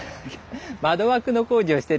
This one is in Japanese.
窓枠の工事をしてるので。